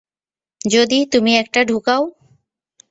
যদি তুমি এটা ঢুকাও?